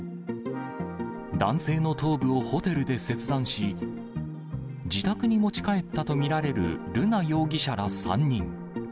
男性の頭部をホテルで切断し、自宅に持ち帰ったと見られる瑠奈容疑者ら３人。